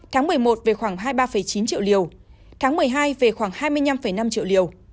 tháng một mươi một về khoảng hai mươi ba chín triệu liều tháng một mươi hai về khoảng hai mươi năm năm triệu liều